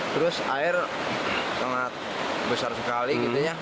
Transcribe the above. terus air sangat besar sekali